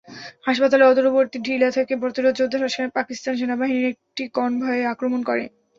হাসপাতালের অদূরবর্তী টিলা থেকে প্রতিরোধ যোদ্ধারা পাকিস্তান সেনাবাহিনীর একটি কনভয়ে আক্রমণ করে।